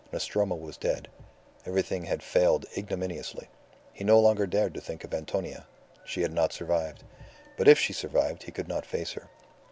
Nostromo was dead. Everything had failed ignominiously. He no longer dared to think of Antonia. She had not survived. But if she survived he could not face her.